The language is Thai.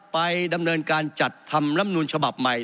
ไปดำเนินการจัดทำลำนูลฉบับใหม่